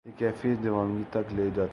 یہ کیفیت دیوانگی تک لے جاتی ہے۔